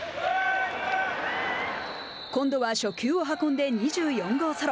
今度は初球を運んで２４号ソロ。